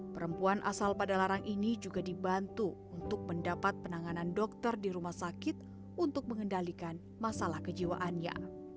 perempuan asal padalarang ini juga dibantu untuk mendapat penanganan dokter di rumah sakit untuk mengendalikan masalah kejiwaannya